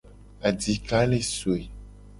Adika le soe.